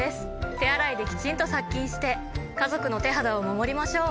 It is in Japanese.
手洗いできちんと殺菌して家族の手肌を守りましょう！